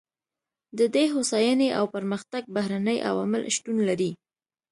د دې هوساینې او پرمختګ بهرني عوامل شتون لري.